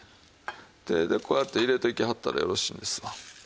手でこうやって入れていきはったらよろしいんですわ。